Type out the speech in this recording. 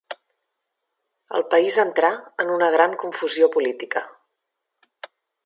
El país entrà en una gran confusió política.